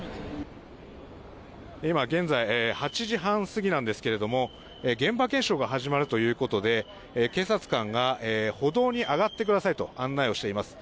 今現在８時半過ぎなんですが現場検証が始まるということで警察官が歩道に上がってくださいと案内をしています。